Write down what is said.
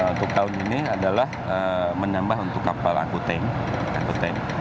untuk tahun ini adalah menambah untuk kapal angkuteng